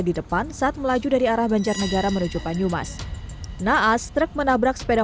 di depan saat melaju dari arah banjarnegara menuju banyumas naas truk menabrak sepeda